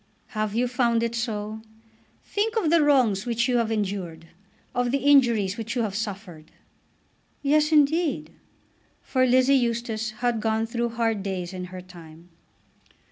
"Have you found it so? Think of the wrongs which you have endured; of the injuries which you have suffered." "Yes, indeed." For Lizzie Eustace had gone through hard days in her time.